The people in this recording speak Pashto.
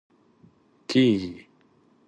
کېږي